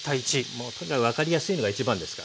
もうとにかく分かりやすいのが一番ですからね